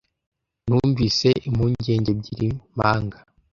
numvise impungenge ebyiri mpanga